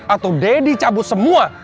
atau daddy cabut semua